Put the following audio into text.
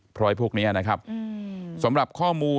ก็มีการออกรูปรวมปัญญาหลักฐานออกมาจับได้ทั้งหมด